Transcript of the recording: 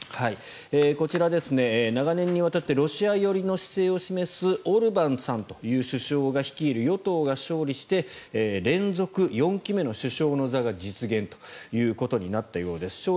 こちら、長年にわたってロシア寄りの姿勢を示すオルバンさんという首相が率いる与党が勝利して連続４期目の首相の座が実現ということになったようです。